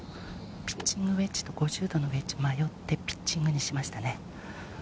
ピッチングウェッジと、５０度のウェッジ迷って、ピッチングにしましたね。